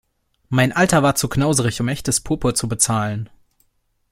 Mein Alter war zu knauserig, um echtes Purpur zu bezahlen.